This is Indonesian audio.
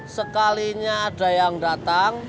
sekalinya ada yang datang